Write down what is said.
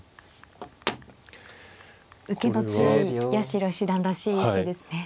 受けの強い八代七段らしい一手ですね。